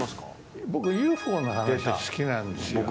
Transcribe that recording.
僕、ＵＦＯの話好きなんですよ。